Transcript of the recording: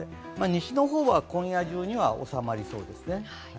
西の方は今夜中には、おさまりそうですね。